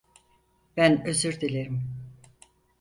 Ben özür dilerim.